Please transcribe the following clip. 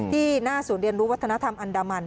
ที่หน้าศูนย์เรียนรู้วัฒนธรรมอันดามัน